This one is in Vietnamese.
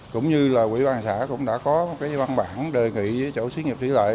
cũng như quỹ quan xã cũng đã có văn bản đề nghị với chủ chuyên nghiệp thi lợi